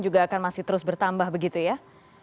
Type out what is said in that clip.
juga akan masih terus bertambah begitu ya